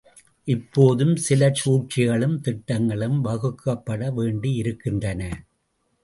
இப்போதும் சில சூழ்ச்சிகளும் திட்டங்களும் வகுக்கப்பட வேண்டியிருக்கின்றன.